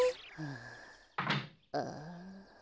ああ。